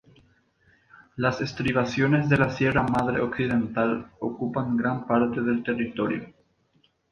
Las estribaciones de la Sierra Madre Occidental ocupan gran parte del territorio.